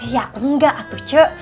ya enggak atuh cu